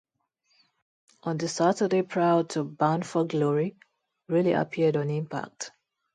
On the Saturday prior to Bound For Glory, Riley appeared on Impact!